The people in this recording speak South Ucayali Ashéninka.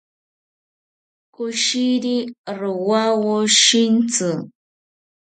Koshiri rowawo shintzi